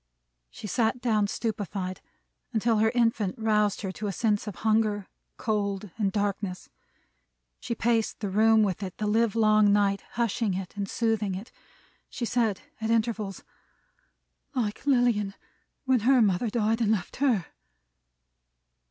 She sat down stupefied, until her infant roused her to a sense of hunger, cold, and darkness. She paced the room with it the livelong night, hushing it and soothing it. She said at intervals, "Like Lilian when her mother died and left her!"